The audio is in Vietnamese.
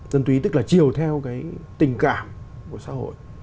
dân túy tức là chiều theo cái tình cảm của xã hội